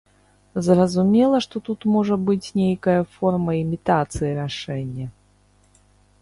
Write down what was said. Зразумела, што тут можа быць нейкая форма імітацыі рашэння.